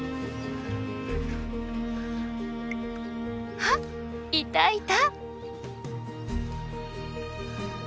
あっいたいた！